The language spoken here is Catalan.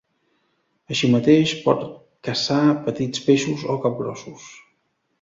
Així mateix, pot caçar petits peixos o capgrossos.